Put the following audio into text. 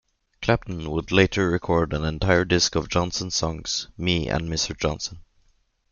Clapton would later record an entire disc of Johnson's songs, "Me and Mr. Johnson".